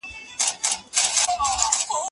اجتماعي منطق د فلسفې د تفکر په پرتله مختلف دی.